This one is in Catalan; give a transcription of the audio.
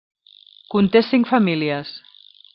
Conté cinc famílies.